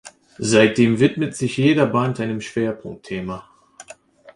Seitdem widmet sich jeder Band einem Schwerpunktthema.